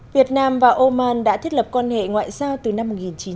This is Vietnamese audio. việt nam và oman đã thiết lập quan hệ ngoại giao từ năm một nghìn chín trăm bảy mươi